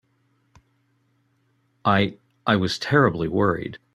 I—I was terribly worried.